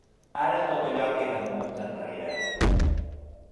Ara tot allò queda molt enrere.